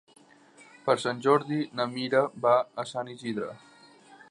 Per Sant Jordi na Mira va a Sant Isidre.